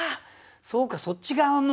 そうかそっち側の。